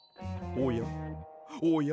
おやおや？